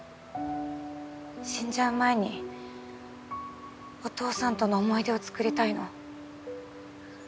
死んじゃう前にお父さんとの思い出を作りたいの。